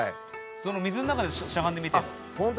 その水の中でしゃがんでみてよ。